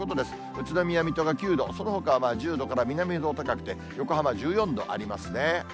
宇都宮、水戸が９度、そのほかは１０度から南へ行くほど高くて、横浜１４度ありますね。